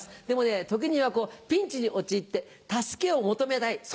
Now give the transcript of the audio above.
でもね時にはピンチに陥って助けを求めたい